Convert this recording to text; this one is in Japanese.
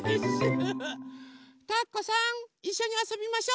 たこさんいっしょにあそびましょ。